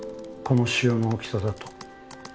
この腫瘍の大きさだと